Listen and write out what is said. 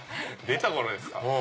出た頃ですか。